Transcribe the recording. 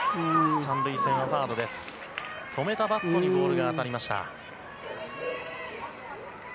止めたバットにボールが当たりました。